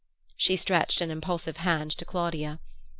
She stretched an impulsive hand to Claudia.